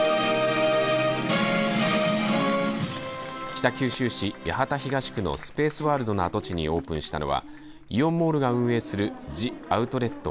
北九州市八幡東区のスペースワールドの跡地にオープンしたのはイオンモールが運営するジアウトレット